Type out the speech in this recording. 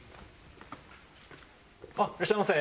いらっしゃいませ。